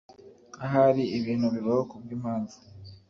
Ahari ibintu bibaho kubwimpamvu.